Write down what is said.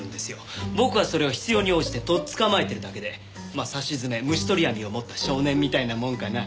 僕はそれを必要に応じて取っ捕まえてるだけでまあさしずめ虫取り網を持った少年みたいなもんかな。